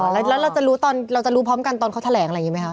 อ๋อแล้วเราจะรู้พร้อมกันตอนเขาแถลงอะไรอย่างนี้ไหมฮะ